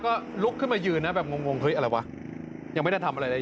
ก็ลุกขึ้นมายืนนะแบบงงเฮ้ยอะไรวะยังไม่ได้ทำอะไรเลย